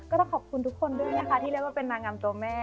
ก็ต้องขอบคุณทุกคนด้วยนะคะที่เรียกว่าเป็นนางงามตัวแม่